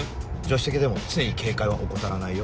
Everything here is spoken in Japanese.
手席でも常に警戒は怠らないよ。